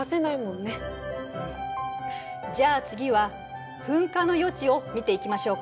じゃあ次は噴火の予知を見ていきましょうか。